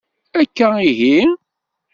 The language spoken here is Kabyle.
Akka ihi?